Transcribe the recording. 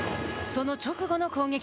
その直後の攻撃。